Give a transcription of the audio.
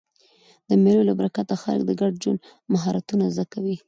د مېلو له برکته خلک د ګډ ژوند مهارتونه زده کوي.